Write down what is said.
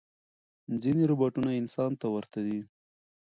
ځینې روباټونه انسان ته ورته دي.